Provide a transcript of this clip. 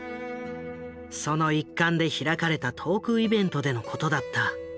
その一環で開かれたトークイベントでのことだった。